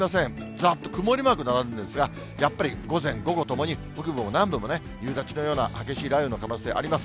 ずらっと曇りマーク並んでいるんですが、やっぱり午前、午後ともに北部も南部も夕立のような激しい雷雨の可能性あります。